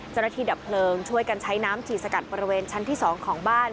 จรฐีดับเผลิงช่วยกันใช้น้ำฉี่ซะกัดประเภนชั้นที่สองของบ้าน